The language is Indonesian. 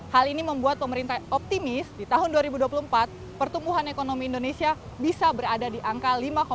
hal ini membuat pemerintah optimis di tahun dua ribu dua puluh empat pertumbuhan ekonomi indonesia bisa berada di angka lima tujuh